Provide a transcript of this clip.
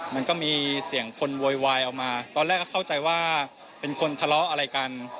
มันก็มีเสียงคนโวยวายออกมาตอนแรกก็เข้าใจว่าเป็นคนทะเลาะอะไรกัน